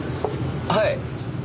はい。